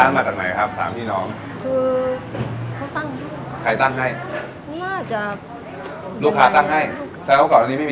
ตรงนี้พอแหละครับพออายุมากแล้ว